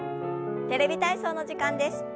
「テレビ体操」の時間です。